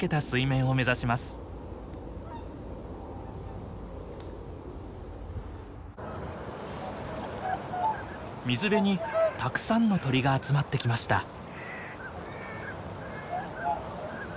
水辺にたくさんの鳥が集まってきました。